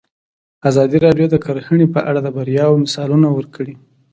ازادي راډیو د کرهنه په اړه د بریاوو مثالونه ورکړي.